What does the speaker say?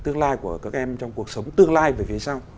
tương lai của các em trong cuộc sống tương lai về phía sau